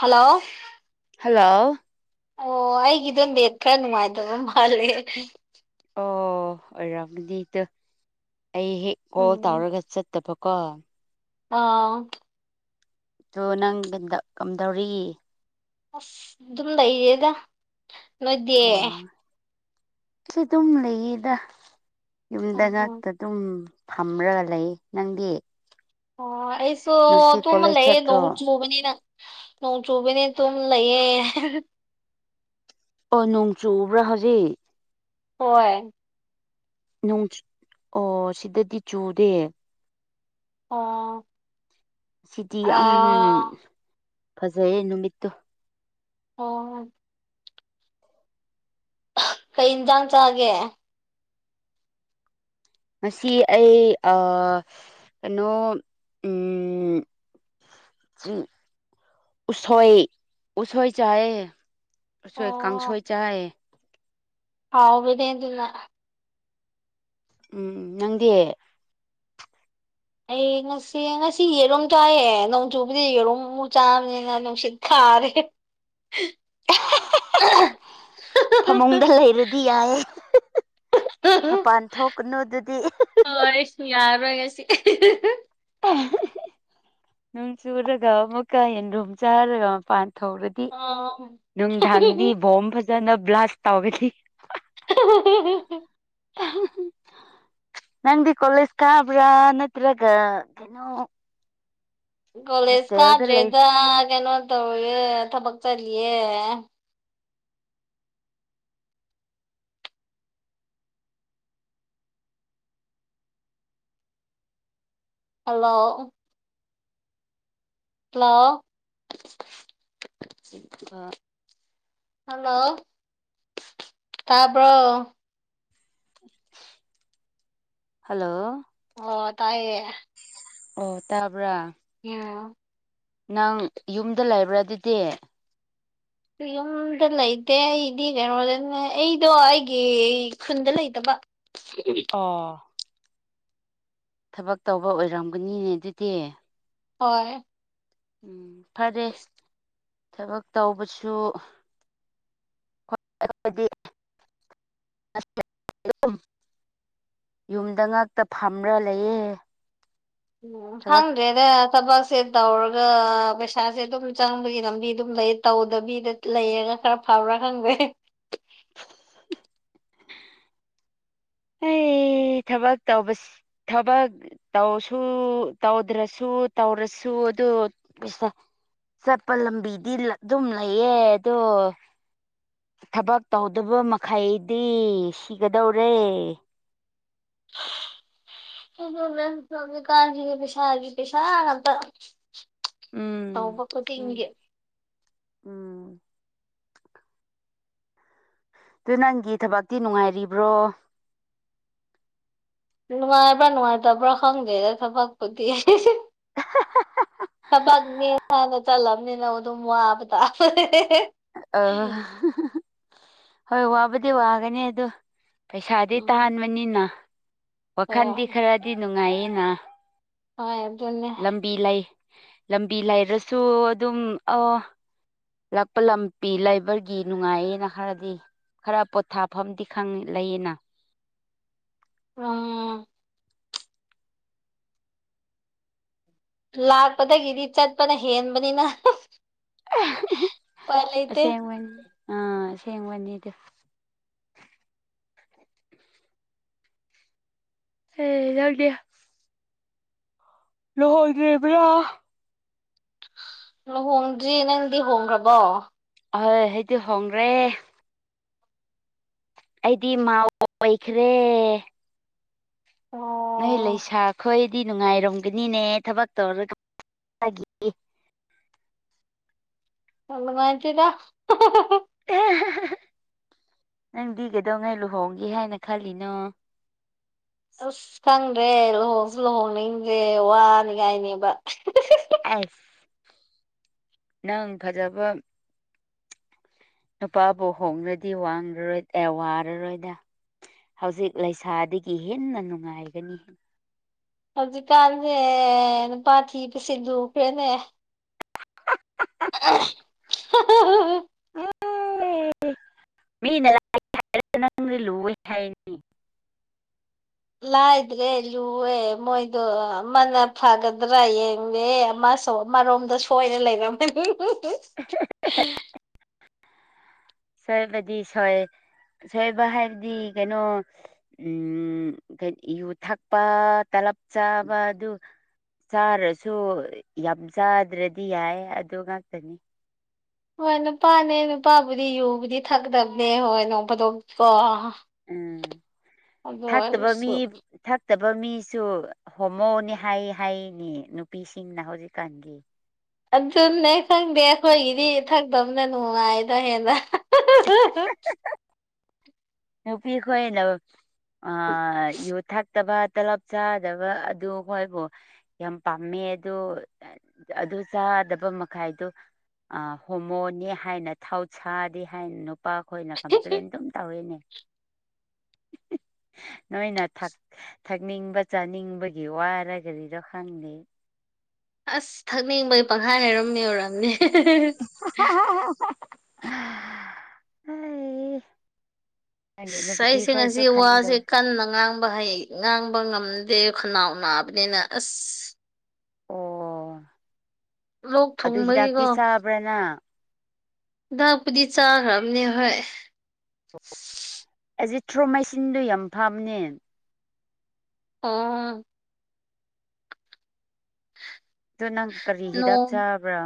hello hello ꯑꯣ ꯑꯩꯒꯤꯗꯣ net ꯈꯔ ꯅꯨꯡꯉꯥꯏꯇꯕ ꯃꯥꯜꯂꯦ ꯑꯣ ꯑꯣꯏꯔꯝꯒꯅꯤꯗꯨ ꯑꯩ ꯍꯦꯛ ꯀꯣꯜ ꯎꯝ ꯇꯧꯔꯒ ꯆꯠꯇꯕꯀꯣ ꯑꯥ ꯑꯗꯨ ꯅꯪ ꯍꯟꯗꯛ ꯀꯝꯗꯧꯔꯤ ꯑꯁ ꯑꯗꯨꯝ ꯂꯩꯌꯦꯗ ꯅꯣꯏꯗꯤ ꯑꯣ ꯑꯩꯁꯨ ꯑꯗꯨꯝ ꯂꯩꯌꯦꯗ ꯌꯨꯝꯗ ꯑꯣ ꯑꯣ ꯅꯠꯇ ꯑꯗꯨꯨꯝ ꯐꯝꯔꯒ ꯂꯩ ꯅꯪꯗꯤ ꯑꯣ ꯑꯩꯁꯨ ꯉꯁꯤ ꯇꯨꯝꯃ ꯀꯣꯂꯦꯖ ꯂꯩꯌꯦ ꯆꯠꯇ꯭ꯔꯣ ꯅꯣꯡ ꯆꯨꯕꯅꯤꯅ ꯅꯣꯡ ꯆꯨꯕꯅꯦ ꯇꯨꯝ ꯂꯩꯌꯦ ꯑꯣ ꯅꯣꯡ ꯆꯨꯕ꯭ꯔꯥ ꯍꯧꯖꯤꯛ ꯍꯣꯏ ꯅꯣꯡ ꯑꯣ ꯁꯤꯗꯗꯤ ꯆꯨꯗꯦ ꯑꯣ ꯁꯤꯗꯤ ꯌꯥꯝ ꯑꯥ ꯐꯖꯩꯌꯦ ꯅꯨꯃꯤꯠꯇꯣ ꯑꯣ ꯀꯩ ꯌꯦꯟꯖꯥꯡ ꯆꯥꯒꯦ ꯉꯁꯤ ꯑꯩ ꯑꯥ ꯀꯩꯅꯣ ꯎꯝ ꯎꯁꯣꯏ ꯎꯁꯣꯏ ꯆꯥꯢꯌꯦ ꯎꯁꯣꯏ ꯑꯣ ꯀꯥꯡꯁꯣꯏ ꯆꯥꯏꯌꯦ ꯍꯥꯎꯕꯅꯦ ꯑꯗꯨꯅ ꯎꯝ ꯅꯪꯗꯤ ꯑꯩ ꯉꯁꯤ ꯉꯁꯤ ꯌꯦꯔꯨꯝ ꯆꯥꯏꯌꯦ ꯅꯣꯡ ꯆꯨꯕꯗꯤ ꯌꯦꯔꯨꯝ ꯑꯃꯨꯛ ꯆꯥꯕꯅꯤꯅ ꯅꯨꯡꯁꯤꯠ ꯀꯥꯔꯦ ꯐꯃꯨꯡꯗ ꯂꯩꯔꯗꯤ ꯌꯥꯏꯌꯦ ꯃꯄꯥꯟ ꯊꯣꯛꯀꯅꯨ ꯑꯗꯨꯗꯤ ꯍꯣꯏ ꯑꯩꯁꯨ ꯌꯥꯔꯔꯣꯏ ꯉꯁꯤ [unintelligible] ꯅꯣꯡ ꯆꯨꯔꯒ ꯑꯃꯨꯛꯀ ꯌꯦꯟꯔꯨꯝ ꯆꯥꯔꯒ ꯃꯄꯥꯟ ꯊꯣꯛꯔꯗꯤ ꯑꯣ ꯅꯨꯡꯗꯥꯡꯗꯤ ꯕꯣꯝ ꯐꯖꯅ ꯕ꯭ꯂꯥꯁ ꯇꯧꯒꯅꯤ [unintelligible] [unintelligible] ꯅꯪꯗꯤ ꯀꯣꯂꯦꯖ ꯀꯕ꯭ꯔꯥ ꯅꯠꯇ꯭ꯔꯒ ꯀꯩꯅꯣ ꯀꯣꯂꯦꯖ ꯍꯣꯁꯇꯦꯜꯗ ꯂꯩ ꯀꯥꯗ꯭ꯔꯦꯗ ꯀꯩꯅꯣ ꯇꯧꯋꯦ ꯊꯕꯛ ꯆꯠꯂꯤꯌꯦ ꯍꯜꯂꯣ ꯍꯜꯂꯣ ꯑ ꯍꯜꯂꯣ ꯇꯥꯄ ꯍꯜꯂꯣ ꯑꯣ ꯇꯥꯏꯌꯦ ꯑꯣ ꯇꯥꯕ ꯑꯣꯝ ꯅꯪ ꯌꯨꯝꯗ ꯂꯩꯕ꯭ꯔꯥ ꯑꯗꯨꯗꯤ ꯌꯨꯝꯗ ꯂꯩꯇꯦ ꯑꯩꯗꯤ ꯀꯩꯅꯣꯗ ꯑꯩꯗꯣ ꯑꯩꯒꯤ ꯈꯨꯟꯗ ꯂꯩꯇꯕ ꯁꯤ ꯑꯥ ꯊꯕꯛ ꯇꯧꯕ ꯑꯣꯏꯔꯝꯒꯅꯤꯅꯦ ꯑꯗꯨꯗꯤ ꯍꯣꯏ ꯎꯝ ꯐꯔꯦ ꯊꯕꯛ ꯇꯧꯕꯁꯨ [unintelligible] ꯌꯨꯝꯗ ꯉꯛꯇ ꯐꯝꯔꯥ ꯂꯩꯌꯦꯦ ꯎꯝ ꯐꯪ ꯇꯦꯗ ꯊꯕꯛꯁꯦ ꯇꯧꯔꯒ ꯄꯩꯁꯥꯁꯦ ꯑꯗꯨꯝ ꯆꯪꯕꯒꯤ ꯂꯝꯕꯤ ꯑꯗꯨꯝ ꯂꯩ ꯇꯧꯗꯕꯤꯗ ꯂꯩꯔꯒ ꯈꯔ ꯐꯕ꯭ꯔꯥ ꯈꯪꯗꯦ ꯑꯩ ꯊꯕꯛ ꯇꯧꯕ ꯊꯕꯛ ꯇꯧꯁꯨ ꯇꯧꯗ꯭ꯔꯁꯨ ꯇꯧꯔꯁꯨ ꯑꯗꯨ ꯆꯠꯄ ꯂꯝꯕꯤꯗꯤ ꯑꯗꯨꯝ ꯂꯩꯌꯦ ꯑꯗꯣ ꯊꯕꯛ ꯇꯧꯗꯕ ꯃꯈꯩꯗꯤ ꯁꯤꯒꯗꯧꯔꯦ ꯁ꯭ꯃꯃꯤꯀꯥꯟꯖꯤꯒꯤ ꯄꯁꯥ ꯄꯦꯁꯥꯅ ꯎꯝ ꯁꯤ ꯎꯝ ꯑꯗꯨ ꯅꯪꯒꯤ ꯊꯕꯛꯇꯤ ꯅꯨꯡꯉꯥꯏꯔꯤꯕ꯭ꯔꯣ ꯅꯨꯡꯉꯥꯏꯕ꯭ꯔꯥ ꯅꯨꯡꯉꯥꯏꯇꯕ꯭ꯔꯥ ꯈꯪꯗꯦꯗ ꯊꯕꯛꯄꯨꯗꯤ ꯊꯕꯛꯅꯦ ꯍꯥꯟꯅ ꯆꯠꯂꯕꯅꯤꯅ ꯑꯗꯨꯝ ꯋꯥꯕ ꯇꯥꯄ ꯑ ꯍꯣꯏ ꯋꯥꯕꯨꯗꯤ ꯋꯥꯒꯅꯤ ꯑꯣ ꯄꯩꯁꯥꯗꯤ ꯎꯝ ꯇꯥꯍꯟꯕꯅꯤꯅ ꯋꯥꯈꯜꯗꯤ ꯍꯣꯏ ꯈꯔꯗꯤ ꯅꯨꯡꯉꯥꯏꯌꯦꯅ ꯍ ꯂꯝꯕꯤ ꯂꯩ ꯂꯝꯕꯤ ꯂꯩꯔꯁꯨ ꯑꯗꯨꯝ ꯑ ꯂꯥꯛꯄ ꯂꯝ ꯄ ꯂꯩꯕꯔꯒꯤ ꯅꯨꯡꯉꯥꯏꯌꯦꯅ ꯈꯔꯗꯤ ꯈꯔ ꯄꯣꯊꯥꯐꯝꯗꯤ ꯂꯩꯌꯦꯅ ꯎꯝ ꯂꯥꯛꯄꯗꯒꯤꯗꯤ ꯆꯠꯄꯅ ꯍꯦꯟꯕꯅꯤꯅ ꯎꯄꯥꯏ ꯂꯩꯇꯦ ꯑꯁꯦꯡꯕꯅꯤ ꯑꯥ ꯑꯁꯦꯡꯕꯅꯤ ꯑꯗꯨ ꯍ ꯌꯥꯠꯗꯌꯥ ꯂꯨꯍꯧꯗ꯭ꯔꯤꯕ꯭ꯔꯥ ꯂꯨꯍꯣꯡꯗ꯭ꯔꯤ ꯅꯪꯗꯤ ꯍꯣꯡꯈ꯭ꯔꯕꯣ ꯑ ꯍꯥꯏꯗꯤ ꯍꯣꯡ ꯔꯦ ꯑꯩꯗꯤ ꯃꯥꯎ ꯑꯣꯏꯈ꯭ꯔꯦ ꯅꯣꯏ ꯑꯣ ꯂꯩꯁꯥꯈꯣꯏꯗꯤ ꯅꯨꯡꯉꯥꯏꯔꯝꯒꯅꯤꯅꯦ ꯊꯕꯛ ꯇꯧꯔꯒ ꯃꯥꯒꯤ ꯑ ꯃꯥꯏꯆꯔ ꯅꯪꯗꯤ ꯀꯩꯗꯧꯉꯩ ꯂꯨꯍꯣꯡꯒꯦ ꯍꯥꯏꯅ ꯈꯜꯂꯤꯅꯣ ꯑꯁ ꯈꯪꯗ꯭ꯔꯦ ꯂꯨꯍꯣꯡꯁꯨ ꯂꯨꯍꯣꯡꯅꯤꯡꯗ꯭ꯔꯦ ꯋꯥꯅꯤꯡꯉꯥꯏꯅꯦꯕ ꯑꯁ ꯅꯪ ꯐꯖꯕ ꯅꯨꯄꯥꯕꯨ ꯍꯣꯡꯡꯂꯗꯤ ꯋꯥꯡꯉꯔꯣꯏ ꯑꯦ ꯋꯥꯔꯔꯣꯏꯗ ꯍꯧꯖꯤꯛ ꯂꯩꯁꯥꯗꯒꯤ ꯍꯦꯟꯅ ꯅꯨꯡꯉꯥꯏꯒꯅꯤ ꯍꯧꯖꯤꯛꯀꯜꯅꯦꯦ ꯅꯨꯄꯥꯊꯤꯕ ꯁꯤꯗꯈ꯭ꯔꯦꯅꯦ ꯑ [unintelligible] ꯃꯤꯅ ꯂꯥꯛ ꯍꯥꯏꯔꯒ ꯅꯪꯗꯤ ꯂꯨꯒ ꯍꯥꯏꯅꯤ ꯂꯥꯏꯗ꯭ꯔꯦ ꯂꯨꯑꯦ ꯃꯣꯏꯗꯣ ꯑꯃꯅ ꯐꯒꯗ꯭ꯔꯥ ꯌꯦꯡꯉꯦ ꯑꯃ ꯁ ꯃꯔꯣꯝꯗ ꯁꯣꯏꯔ ꯂꯩꯔꯝꯃꯦ ꯁꯣꯏꯕꯗꯤ ꯁꯣꯏ ꯁꯣꯏꯕ ꯍꯥꯏꯕꯗꯤ ꯀꯩꯅꯣ ꯎꯝ ꯀꯩ ꯌꯨ ꯊꯛꯄ ꯇꯂꯞ ꯆꯥꯕ ꯑꯗꯨ ꯆꯥꯔꯁꯨ ꯌꯥꯝ ꯆꯥꯗ꯭ꯔꯗꯤ ꯌꯥꯏ ꯑꯗꯨ ꯉꯥꯛꯇꯅꯤ ꯍꯣꯏ ꯅꯨꯄꯥꯅꯦ ꯅꯨꯄꯥꯕꯨꯗꯤ ꯌꯨꯕꯨꯗꯤ ꯊꯛꯀꯗꯕꯅꯦ ꯍꯣꯏ ꯅꯣꯡ ꯐꯗꯣꯛ ꯀꯣ ꯎꯝ ꯊꯛꯇꯕ ꯃꯤ ꯑꯣꯏꯔꯁꯨ ꯊꯛꯇꯕ ꯃꯤꯁꯨ ꯍꯣꯃꯣꯅꯤ ꯍꯥꯏ ꯍꯥꯏꯅꯤ ꯅꯨꯄꯤꯁꯤꯡꯅ ꯍꯧꯖꯤꯛꯀꯥꯟꯒꯤ ꯑꯗꯨꯅꯦ ꯈꯪꯗꯦ ꯑꯩꯈꯣꯏꯒꯤꯗꯤ ꯊꯛꯇꯕꯅ ꯅꯨꯡꯉꯥꯏꯗ ꯍꯦꯟꯅ [unintelligible] ꯅꯨꯄꯤꯈꯣꯏꯅꯕ ꯑ ꯌꯨꯠ ꯊꯛꯇꯕ ꯇꯂꯞ ꯆꯥꯗꯕ ꯑꯗꯨꯈꯣꯏꯕꯨ ꯌꯥꯝ ꯄꯥꯝꯃꯦ ꯑꯗꯨ ꯑꯗꯨ ꯆꯥꯗꯕ ꯃꯈꯥꯏꯗꯣ ꯑꯥ ꯍꯣꯃꯣꯅꯤ ꯍꯥꯏꯅ ꯊꯥꯎꯁꯥꯗꯦ ꯍꯥꯏꯅ ꯅꯨꯄꯥ ꯈꯣꯏꯅ ꯀꯝꯄ꯭ꯂꯦꯟ ꯑꯗꯨꯝ ꯇꯧꯋꯤꯅꯦ ꯅꯣꯏꯅ ꯊꯥꯛ ꯊꯛꯅꯤꯡꯕ ꯆꯥꯅꯤꯡꯕꯒꯤ ꯋꯥꯔ ꯒꯔꯤꯅꯣ ꯈꯪꯗꯦ ꯑꯁ ꯊꯛꯅꯤꯡꯕꯩ ꯄꯪꯍꯥꯏ ꯍꯥꯏꯔꯝꯃꯤ ꯑꯣꯏ [unintelligible] ꯑꯩ ꯈꯪꯗꯦ ꯑꯁ ꯅꯨꯄꯤ ꯑꯩꯁꯦ ꯉꯁꯤ ꯈꯣꯏꯁꯨ ꯈꯟ ꯋꯥꯁꯦ [unintelligible] ꯀꯟꯅ ꯉꯥꯡꯕ ꯍꯩ ꯉꯥꯡꯕ ꯉꯝꯗꯦ ꯈꯅꯥꯎ ꯅꯥꯕꯅꯤꯅ ꯑꯁ ꯑꯣ ꯂꯣꯛ ꯑꯗꯨ ꯍꯤꯗꯥꯛꯇꯤ ꯊꯨꯡꯕꯒꯤꯀꯣ ꯆꯥꯕ꯭ꯔꯥ ꯅꯪ ꯗꯥꯛꯄꯨꯗꯤ ꯆꯥꯈ꯭ꯔꯝꯅꯦ ꯍꯣꯏ ꯑꯦꯖꯤꯊ꯭ꯔꯣ ꯃꯦꯆꯟꯗꯣ ꯌꯥꯝ ꯐꯥꯝꯅꯦ ꯑꯣ ꯑꯗꯣ ꯅꯪ ꯀꯔꯤ ꯍꯤꯗꯥꯛ ꯅꯣꯡ ꯆꯥꯕ꯭ꯔꯣ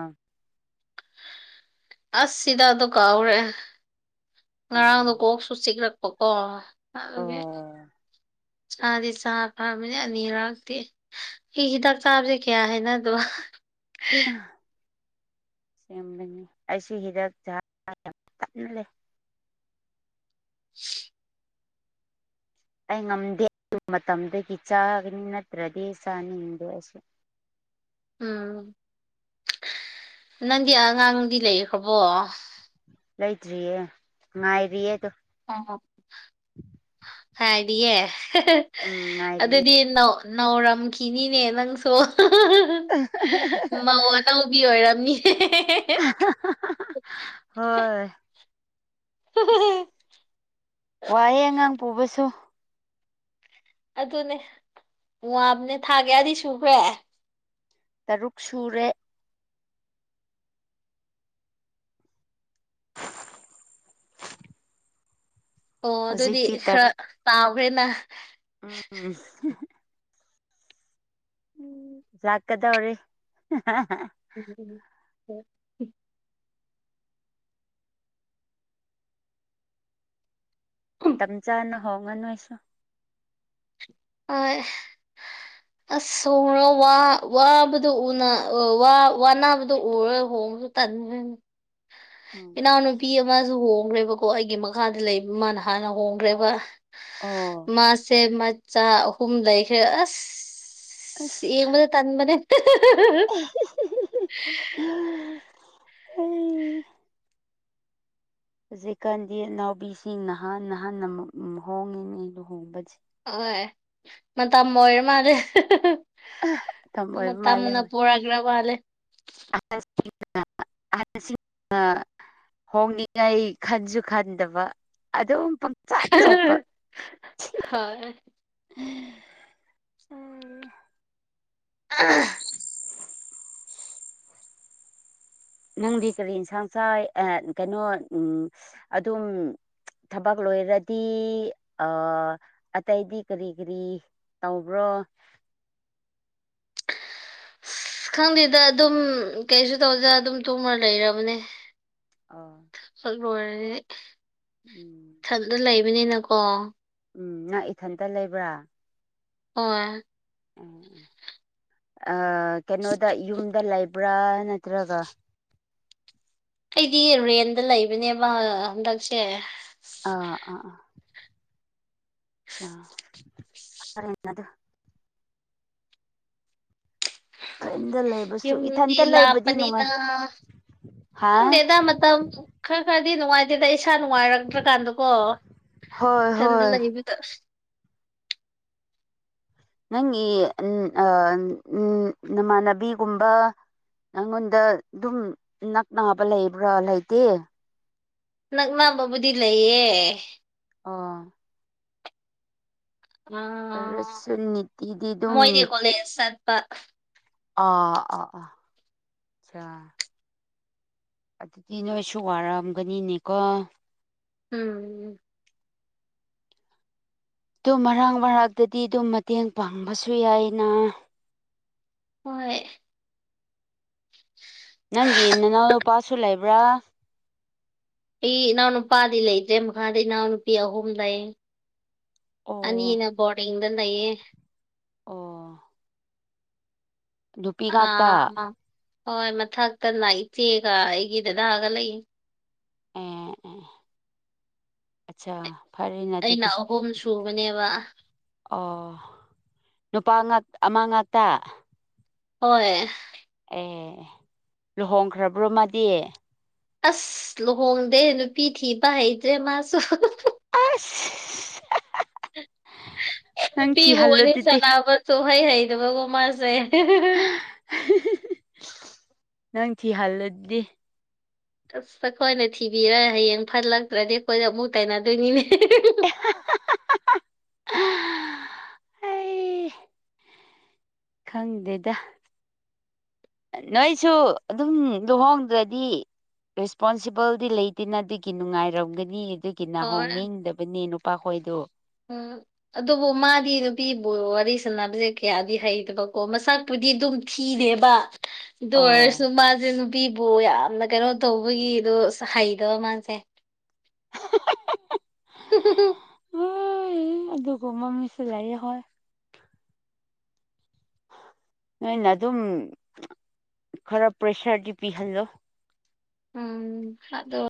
ꯑꯁ ꯍꯤꯗꯥꯛꯗꯣ ꯀꯥꯎꯔꯦ ꯉꯔꯥꯡꯗꯣ ꯑꯣ ꯀꯣꯛꯁꯨ ꯆꯤꯛꯂꯛꯄꯀꯣ ꯑꯗꯨ ꯑꯣ ꯆꯥꯗꯤ ꯆꯥ ꯐꯥꯝꯃꯤꯅꯦ ꯑꯅꯤꯔꯛꯇꯤ ꯑꯩ ꯍꯤꯗꯥꯛ ꯆꯥꯕꯖꯦ ꯀꯌꯥ ꯍꯥꯏꯅꯗꯕ ꯁꯦꯝꯕꯅꯤ ꯑꯩꯁꯨ ꯍꯤꯗꯥꯛ ꯆꯥ ꯌꯥꯝ ꯇꯟꯂꯦ [unintelligible] ꯑꯩ ꯉꯝꯗꯦ ꯑꯗꯨ ꯃꯇꯝꯗꯨꯗꯒꯤ ꯆꯥꯒꯅꯤ ꯅꯠꯇ꯭ꯔꯗꯤ ꯆꯥꯅꯤꯡꯗꯦ ꯑꯩꯁꯨ ꯎꯝ ꯅꯪꯗꯤ ꯑꯉꯥꯡꯗꯤ ꯂꯩꯈ꯭ꯔꯕꯣ ꯂꯩꯇ꯭ꯔꯤꯌꯦ ꯉꯥꯏꯔꯤꯌꯦꯗꯣ ꯑꯝ ꯍꯥꯏꯗꯤꯌꯦ ꯎꯝ [unintelligible] ꯉꯥꯏꯔꯤꯌꯦ ꯑꯗꯨꯗꯤ ꯅꯧ ꯅꯥꯎꯔꯝꯈꯤꯅꯤꯅꯦ ꯅꯪꯁꯨ [unintelligible] ꯃꯧ ꯑꯅꯧꯕꯤ ꯑꯣꯏꯔꯝꯅꯤ [unintelligible] [unintelligible] ꯍꯣꯏ ꯋꯥꯍꯦ ꯑꯉꯥꯡ ꯄꯨꯕꯁꯨ ꯑꯗꯨꯅꯦ ꯋꯥꯕꯅꯦ ꯊꯥꯒꯌꯥꯗꯤ ꯁꯨꯈ꯭ꯔꯦ ꯇꯔꯨꯛ ꯁꯨꯔꯦ ꯑꯣ ꯑꯗꯨꯗꯤ ꯍꯧꯖꯤꯛꯇꯤ ꯈꯔ ꯇꯔꯨꯛ ꯇꯥꯎꯈ꯭ꯔꯦꯅ [inaudible] ꯆꯀꯗꯧꯔꯤ [unintelligible] ꯃꯇꯝ ꯆꯥꯅ ꯍꯣꯡꯉꯣ ꯅꯣꯏꯁꯨ ꯍꯣꯏ [inaudible] ꯑꯁ ꯍꯣꯡꯉꯣ ꯋꯥ ꯋꯥꯕꯗꯨ ꯎꯅ ꯑꯣ ꯋꯥ ꯋꯥꯅꯥꯕꯗꯨ ꯎꯔꯣꯏ ꯍꯣꯡꯉ ꯇꯟꯒꯔꯦꯅꯦ ꯎꯝ ꯏꯅꯥꯎꯅꯨꯄꯤ ꯑꯃꯁꯨ ꯍꯣꯡꯈ꯭ꯔꯦꯕ ꯀꫭ ꯑꯩꯒꯤ ꯃꯈꯥꯗ ꯂꯩꯕ ꯃꯥꯅ ꯍꯥꯟꯅ ꯍꯣꯡꯈ꯭ꯔꯦꯕ ꯑꯣ ꯃꯥꯁꯦ ꯃꯆꯥ ꯑꯍꯨꯝ ꯂꯩꯈ꯭ꯔꯦ ꯑꯁ ꯑꯁ ꯌꯦꯡꯕꯗ ꯇꯟꯕꯅꯦ [unintelligible] [unintelligible] ꯑꯩ ꯍꯧꯖꯤꯛꯀꯥꯟꯗꯤ ꯏꯅꯥꯎꯄꯤꯁꯤꯡꯅ ꯍꯥꯟ ꯍꯥꯟ ꯑꯃꯨꯛ ꯍꯣꯡꯉꯤꯅꯦ ꯂꯨꯍꯣꯡꯕꯖꯦ ꯑꯣ ꯃꯇꯝ ꯑꯣꯏꯔ ꯃꯥꯜꯂꯦ ꯃꯇꯝ ꯑꯣꯏꯕ ꯃꯇꯝꯅ ꯄꯨꯔꯛꯔ ꯃꯥꯂꯦ [inaudible] ꯑꯍꯟꯁꯤꯡꯅ ꯍꯣꯡꯅꯤꯡꯉꯩ ꯈꯟꯁꯨ ꯈꯟꯗꯕ ꯑꯗꯨꯝ ꯆꯠ ꯆꯠꯄ ꯍꯣꯏ ꯎꯝ ꯑꯥ ꯅꯪꯗꯤ ꯀꯔꯤ ꯏꯟꯁꯥꯡ ꯆꯥꯏ ꯑꯦ ꯀꯩꯅꯣ ꯎꯝ ꯑꯗꯨꯝ ꯊꯕꯛ ꯂꯣꯏꯔꯗꯤ ꯑꯥ ꯑꯇꯩꯗꯤ ꯀꯔꯤ ꯀꯔꯤ ꯇꯧꯕ꯭ꯔꯣ ꯑꯁ ꯈꯪꯗꯦꯗ ꯑꯗꯨꯝ ꯀꯩꯁꯨ ꯇꯧꯗꯦ ꯑꯗꯨꯝ ꯇꯨꯝꯔ ꯂꯩꯔꯕꯅꯦ ꯑꯥ [unintelligible] ꯏꯊꯟꯗ ꯂꯩꯕꯅꯤꯅꯀꯣ ꯎꯝ ꯅꯪ ꯏꯊꯟꯇ ꯂꯩꯕ꯭ꯔꯥ ꯑꯣꯏ ꯑ ꯀꯩꯅꯣꯗ ꯌꯨꯝꯗ ꯂꯩꯕ꯭ꯔꯥ ꯅꯠꯇ꯭ꯔꯒ ꯑꯩꯗꯤ ꯔꯦꯟꯗ ꯂꯩꯕꯅꯦꯕ ꯍꯟꯗꯛꯁꯦ ꯑꯥ ꯑꯥ ꯑꯥ ꯑꯁꯥ [unintelligible] ꯐ꯭ꯔꯦꯟꯗ ꯂꯩꯕꯁꯨ ꯌꯨꯝ ꯏꯊꯟꯇ ꯂꯩꯕꯗꯤ ꯅꯨꯡꯉꯥꯏ ꯂꯥꯞꯄꯅꯤꯗ ꯍꯥ ꯈꯪꯗꯦꯗ ꯃꯇꯧ ꯈꯔ ꯈꯔꯗꯤ ꯅꯨꯡꯉꯥꯏꯇꯦꯗ ꯏꯁꯥ ꯅꯨꯡꯉꯥꯏꯔꯛꯇ꯭ꯔꯀꯥꯟꯗꯀꯣ ꯍꯣꯏ ꯏꯊꯟꯗ ꯍꯣꯏ ꯂꯩꯕꯗ ꯅꯪꯒꯤ ꯎ ꯎꯝ ꯅꯃꯥꯟꯅꯕꯤꯒꯨꯝꯕ ꯅꯉꯣꯟꯗ ꯑꯗꯨꯝ ꯅꯛ ꯅꯥꯕ ꯂꯩꯕ꯭ꯔꯥ ꯂꯩꯇꯦ ꯅꯛꯅꯥꯕꯕꯨꯗꯤ ꯂꯩꯌꯦ ꯑꫭ ꯑ ꯔꯁꯨ ꯅꯤꯇꯤꯗꯤ ꯑꯗꯨꯝ ꯃꯣꯏꯗꯤ ꯀꯣꯂꯦꯖ ꯆꯠꯄ ꯑꯥ ꯑꯥ ꯑꯥ ꯑꯆꯥ ꯑꯗꯨꯗꯤ ꯅꯣꯏꯁꯨ ꯋꯥꯔꯝꯒꯅꯤꯅꯦꯀꯣ ꯎꯝ ꯇꯨꯝ ꯃꯔꯥꯛ ꯃꯔꯛꯇꯗꯤ ꯑꯗꯨꯝ ꯃꯇꯦꯡ ꯄꯥꯡꯕꯁꯨ ꯌꯥꯏꯅ ꯍꯣꯏ [inaudible] ꯅꯪꯒꯤ ꯅꯅꯥꯎꯅꯨꯄꯥꯁꯨ ꯂꯩꯕ꯭ꯔꯥ ꯑꯩ ꯏꯅꯥꯎꯅꯨꯄꯥꯗꯤ ꯂꯩꯇꯦ ꯃꯈꯥꯗ ꯏꯅꯥꯎꯅꯨꯄꯤ ꯑꯍꯨꯝ ꯂꯩ ꯑꯣ ꯑꯅꯤꯅ ꯕꯣꯔꯗꯤꯡꯗ ꯂꯩꯌꯦ ꯑꯣ ꯅꯨꯄꯤ ꯉꯥꯛꯇ ꯑꯥ ꯍꯣꯏ ꯃꯊꯛꯇꯅ ꯏꯆꯦꯒ ꯑꯩꯒꯤ ꯗꯥꯗꯥ ꯒ ꯂꯩ ꯑꯦ ꯑꯦ ꯑꯦ ꯑꯆꯥ ꯐꯔꯦꯅ ꯑꯩꯅ ꯑꯗꯨꯗꯤ ꯑꯍꯨꯝ ꯁꯨꯕꯅꯦꯕ ꯑꯣ ꯅꯨꯄꯥ ꯉꯥꯛ ꯑꯃ ꯉꯥꯛꯇ ꯍꯣꯏ ꯑꯦ ꯂꯨꯍꯣꯡꯈ꯭ꯔꯕ꯭ꯔꯣ ꯃꯥꯗꯤ ꯑꯁ ꯂꯨꯍꯣꯡꯗꯦ ꯅꯨꯄꯤ ꯊꯤꯕ ꯍꯩꯇ꯭ꯔꯦ ꯃꯥꯁꯨ ꯑꯁ [unintelligible] ꯅꯪ ꯅꯨꯄꯤꯕꯨ ꯊꯤꯍꯜꯂꯣ ꯋꯥꯔꯤ ꯑꯗꯨꯗꯤ ꯁꯥꯅꯕ ꯁꯨꯡꯍꯩ ꯍꯩꯗꯕꯒꯣ ꯃꯥꯁꯦ [unintelligible] ꯅꯪ ꯊꯤꯍꯜꯂꯗꯤ ꯑꯁ ꯑꯩꯈꯣꯏꯅ ꯊꯤꯕꯤꯔ ꯍꯌꯦꯡ ꯐꯠꯂꯛꯇ꯭ꯔꯗꯤ ꯑꯩꯈꯣꯏꯗ ꯑꯃꯨꯛ ꯇꯥꯏꯅꯗꯣꯏꯅꯤꯅꯦ [unintelligible] ꯑꯩ ꯈꯪꯗꯦꯗ ꯅꯣꯏꯁꯨ ꯑꯗꯨꯝ ꯂꯨꯍꯣꯡꯗ꯭ꯔꯗꯤ ꯔꯦꯁꯄꯣꯟꯁꯤꯕꯜꯗꯤ ꯂꯩꯇꯦꯅ ꯑꯗꯨꯒꯤ ꯅꯨꯡꯉꯥꯏꯔꯝꯒꯅꯤ ꯑꯗꯨ ꯀꯤꯅꯥ ꯍꯣꯏ ꯍꯣꯡꯅꯤꯡꯗꯕꯅꯤ ꯅꯨꯄꯥꯈꯣꯏꯗꯨ ꯎꯝ ꯑꯗꯨꯕꯨ ꯃꯥꯗꯤ ꯅꯨꯄꯤꯕꯨ ꯋꯥꯔꯤ ꯁꯥꯟꯅꯕꯁꯦ ꯀꯌꯥꯗꯤ ꯍꯩꯇꯕꯀꯣ ꯃꯁꯥ ꯨꯄꯨꯗꯤ ꯑꯗꯨꯝ ꯊꯤꯔꯦꯕ ꯗꯨ ꯑꯣꯏꯔꯁꯨ ꯑꯣ ꯃꯥꯁꯦ ꯅꯨꯄꯤꯕꯨ ꯌꯥꯝꯅ ꯀꯩꯅꯣ ꯇꯧꯕꯒꯤꯗꯣ ꯑꯁ ꯍꯩꯇꯕ ꯃꯥꯁꯦ [unintelligible] [unintelligible] [unintelligible] ꯑꯗꯨꯒꯨꯝꯕ ꯃꯤꯁꯨ ꯂꯩꯌꯦ ꯍꯣꯏ ꯅꯣꯏꯅ ꯑꯗꯨꯝ ꯈꯔ ꯄ꯭ꯔꯦꯁꯔꯗꯤ ꯄꯤꯍꯜꯂꯣ ꯎꯝ ꯑ